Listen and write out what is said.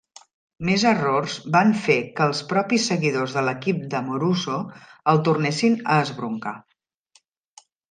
Més errors van fer que els propis seguidors de l'equip d'Amoruso el tornessin a esbroncar.